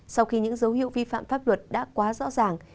sau khi những dấu hiệu vi phạm pháp luật đã quá rõ ràng